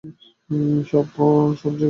ওহ, সব জায়গা বন্ধ করে দাও।